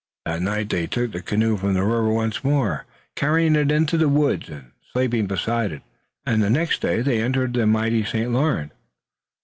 That night they took the canoe from the river once more, carrying it into the woods and sleeping beside it, and the next day they entered the mighty St. Lawrence.